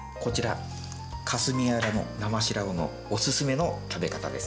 霞ヶ浦の生シラウオのおすすめの食べ方です。